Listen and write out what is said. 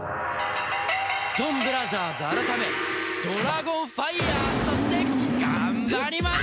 ドンブラザーズ改めドラゴンファイヤーズとして頑張りましょう！